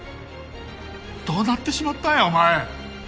どうなってしまったんやお前！